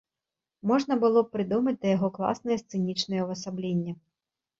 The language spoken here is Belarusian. Можна было б прыдумаць да яго класнае сцэнічнае ўвасабленне.